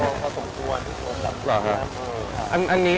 โอ้ยปวดห้องน้ำมากเลย